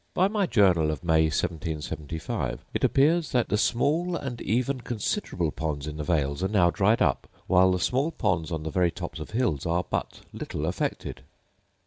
By my journal of May 1775, it appears that 'the small and even considerable ponds in the vales are now dried up, while the small ponds on the very tops of hills are but little affected.